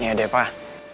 iya deh pak